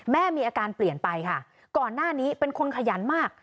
แม่มีอาการเปลี่ยนไปค่ะก่อนหน้านี้เป็นคนขยันมาก